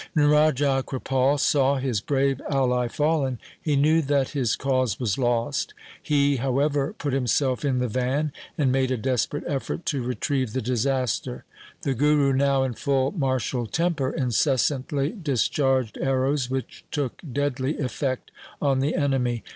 When Raja Kripal saw his brave ally fallen, he knew that his cause was lost. He, however, put him self in the van and made a desperate effort to retrieve the disaster. The Guru, now in full martial temper, incessantly discharged arrows which took deadly effect on the enemy.